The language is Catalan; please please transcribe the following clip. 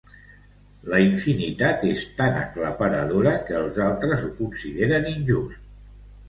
La infinitat és tan aclaparadora que els altres ho consideren injust.